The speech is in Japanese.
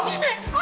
あ！